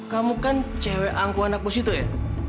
kamu kan cewek angku anak pos itu ya